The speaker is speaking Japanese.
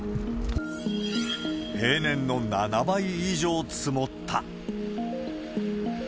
平年の７倍以上積もった。